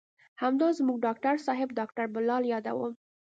همدا زموږ ډاکتر صاحب ډاکتر بلال يادوم.